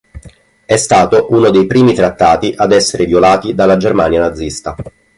È stato uno dei primi trattati ad essere violati dalla Germania nazista.